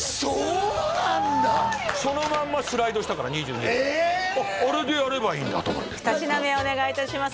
そのまんまスライドしたから２２歳あれでやればいいんだと二品目お願いいたします